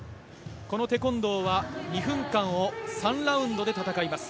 このテコンドーは２分間を３ラウンドで戦います。